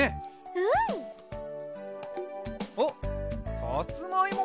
うん。あっさつまいも？